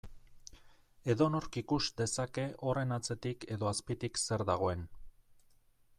Edonork ikus dezake horren atzetik edo azpitik zer dagoen.